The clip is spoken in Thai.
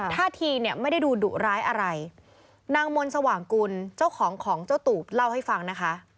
ท่าทีเนี่ยไม่ได้ดูดุร้ายอะไรนางมนต์สว่างกุลเจ้าของของเจ้าตูบเล่าให้ฟังนะคะ